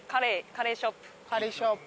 カレーショップ。